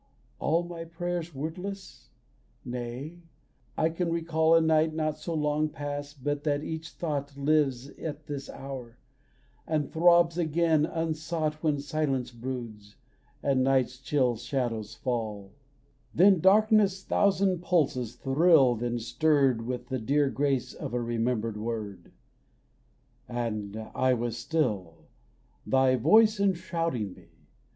All my prayers wordless? Nay, I can recall A night not so long past but that each thought Lives at this hour, and throbs again unsought When Silence broods, and Night's chill shadows fall; Then Darkness' thousand pulses thrilled and stirred With the dear grace of a remembered word; And I was still, thy voice enshrouding me.